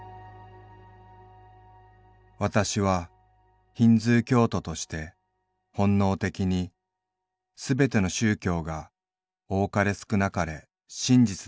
私はヒンズー教徒として本能的にすべての宗教が多かれ少なかれ真実であると思う。